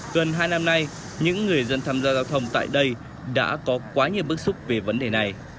gần hai năm nay những người dân tham gia giao thông tại đây đã có quá nhiều bức xúc về vấn đề này